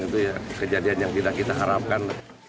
itu kejadian yang tidak kita harapkan